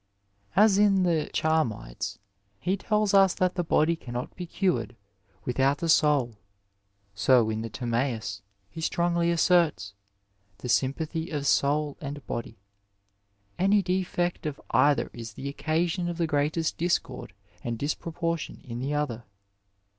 As in the Chammi/es (156, 7) he teUs us that the body cannot be cured without the soul, so in the Tiwmis he strongly asserts the sympathy of soul and body ; any defect of either is the occasion of the greatest discord and disproportion in the other.